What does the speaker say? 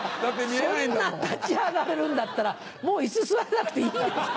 そんな立ち上がれるんだったらもう椅子座らなくていいでしょ。